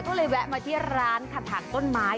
ก็เลยแวะมาที่ร้านคาถางต้นไม้